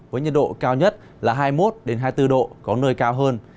với nhiệt độ cao nhất là hai mươi một hai mươi bốn độ có nơi cao hơn